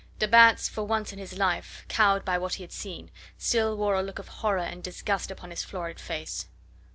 De Batz, for once in his life cowed by what he had seen, still wore a look of horror and disgust upon his florid face.